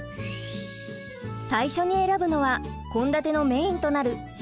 最初に選ぶのは献立のメインとなる「主菜」から。